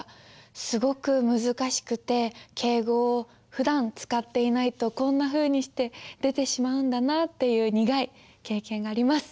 すごく難しくて敬語をふだん使っていないとこんなふうにして出てしまうんだなっていう苦い経験があります。